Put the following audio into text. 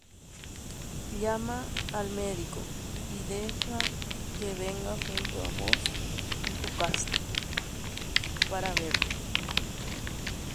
Ehenói pohãnohárape ha tou nde rendápe, nde rógape, neandu hag̃ua.